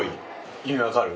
意味分かる？